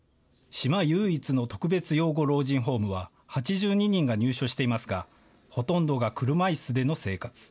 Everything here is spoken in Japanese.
島唯一の特別養護老人ホームは８２人が入所していますがほとんどが車いすでの生活。